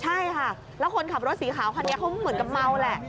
ใช่ค่ะแล้วคนขับรถสีขาวคันนี้เขาเหมือนกับเมาแหละ